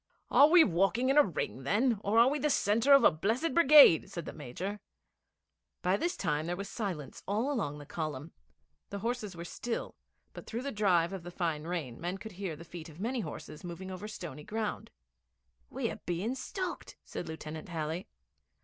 'Are we walking in a ring, then, or are we the centre of a blessed brigade?' said the Major. By this time there was silence all along the column. The horses were still; but, through the drive of the fine rain, men could hear the feet of many horses moving over stony ground. 'We're being stalked,' said Lieutenant Halley.